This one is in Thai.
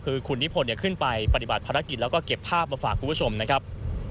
คือคุณนิพนธ์ขึ้นไปปฏิบัติภารกิจแล้วก็เก็บภาพมาฝากคุณผู้ชมนะครับ